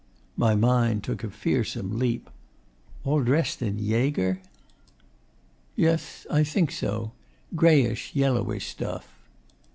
My mind took a fearsome leap. 'All dressed in Jaeger?' 'Yes. I think so. Greyish yellowish stuff.